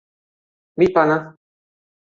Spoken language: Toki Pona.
mi pana!